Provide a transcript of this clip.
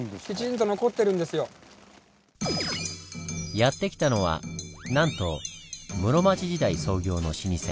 やって来たのはなんと室町時代創業の老舗。